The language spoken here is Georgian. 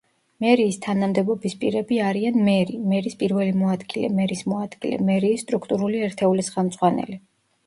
მერიის თანამდებობის პირები არიან: მერი; მერის პირველი მოადგილე; მერის მოადგილე; მერიის სტრუქტურული ერთეულის ხელმძღვანელი.